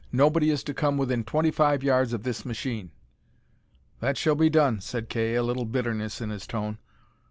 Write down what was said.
Nobody is to come within twenty five yards of this machine!" "That shall be done," said Kay, a little bitterness in his tone.